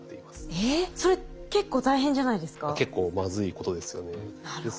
えそれ結構大変じゃないですか？